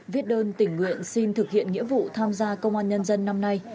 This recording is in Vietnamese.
viết đơn tình nguyện xin thực hiện nghĩa vụ tham gia công an nhân dân năm nay